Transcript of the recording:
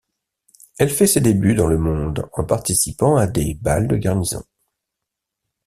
Elle fait ses débuts dans le monde en participant à des bals de garnison.